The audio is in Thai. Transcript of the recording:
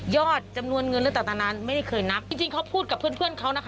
จำนวนเงินต่างนั้นไม่ได้เคยนับจริงจริงเขาพูดกับเพื่อนเพื่อนเขานะคะ